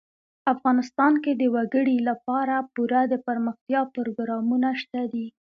افغانستان کې د وګړي لپاره پوره دپرمختیا پروګرامونه شته دي.